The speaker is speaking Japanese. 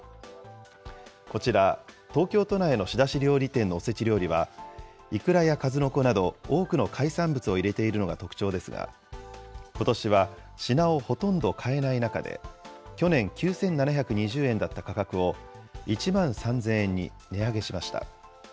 こちら、東京都内の仕出し料理店のおせち料理は、いくらやかずのこなど、多くの海産物を入れているのが特徴ですが、ことしは品をほとんど変えない中で、去年９７２０円だった価格を、１万３０００円に値上げしました。